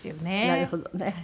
なるほどね。